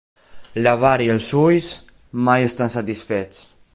L'avar i els ulls mai estan satisfets.